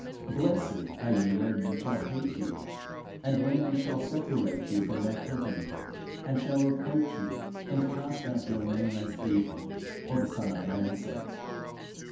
Blessed are ye when men shall hate you, and when they shall separate you from their company, and shall reproach you, and cast out your name as evil, for the Son of Man's sake.